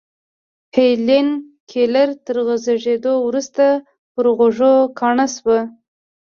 هېلېن کېلر تر زېږېدو وروسته پر غوږو کڼه شوه.